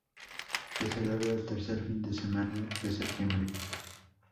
Se celebra el tercer fin de semana de septiembre.